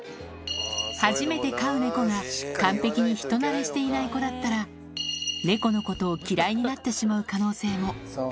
初めて飼う猫が完璧に人なれしていない子だったら、猫のことを嫌いになってしまう可能性も。